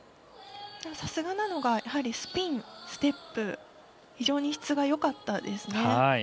さすがなのがスピンとステップ非常に質がよかったです。